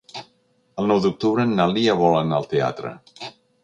El nou d'octubre na Lia vol anar al teatre.